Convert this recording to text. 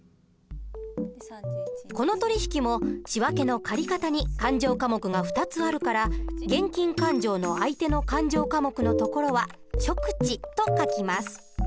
この取引も仕訳の借方に勘定科目が２つあるから現金勘定の相手の勘定科目のところは「諸口」と書きます。